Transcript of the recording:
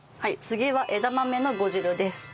次は枝豆の呉汁です。